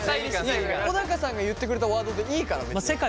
小高さんが言ってくれたワードでいいから別に。